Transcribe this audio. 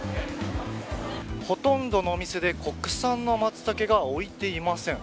ほとんどのお店で、国産のマツタケが置いていません。